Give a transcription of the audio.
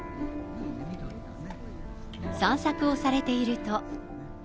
散策をされていると。